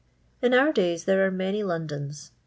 In our days there are many Londons.